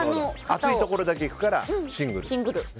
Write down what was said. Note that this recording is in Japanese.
熱いところだけ行くからシングル。